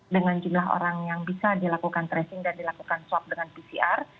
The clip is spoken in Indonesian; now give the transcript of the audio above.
dengan jumlah orang yang bisa dilakukan tracing dan dilakukan swab dengan pcr